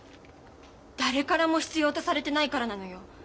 誰からも必要とされてないからなのよ。